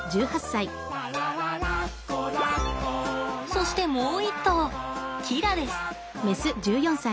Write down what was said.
そしてもう一頭キラです。